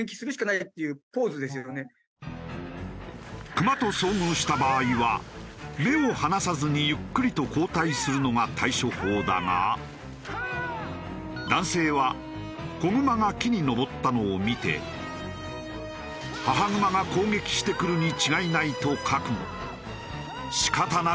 クマと遭遇した場合は目を離さずにゆっくりと後退するのが対処法だが男性は子グマが木に登ったのを見て母グマが攻撃してくるに違いないと覚悟。